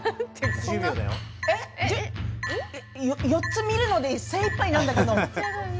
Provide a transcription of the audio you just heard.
４つ見るので精いっぱいなんだけど。